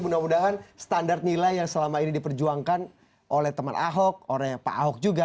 mudah mudahan standar nilai yang selama ini diperjuangkan oleh teman ahok oleh pak ahok juga